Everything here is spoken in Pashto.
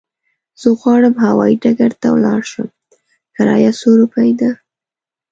زه غواړم هوايي ډګر ته ولاړ شم، کرايه څو روپی ده؟